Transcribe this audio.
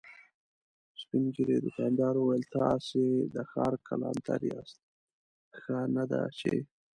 سپين ږيری دوکاندار وويل: تاسو د ښار کلانتر ياست، ښه نه ده چې…